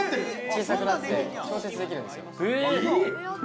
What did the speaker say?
小さくなって調節できるんですよ・